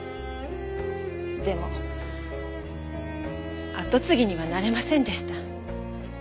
でも後継ぎにはなれませんでした。